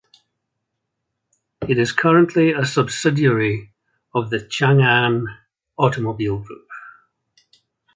It is currently a subsidiary of the Chang'an Automobile Group.